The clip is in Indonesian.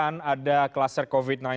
karena ada kluster covid sembilan belas